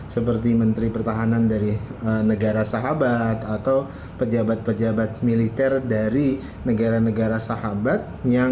seperti menteri pertahanan dari negara sahabat atau pejabat pejabat militer dari negara negara sahabat yang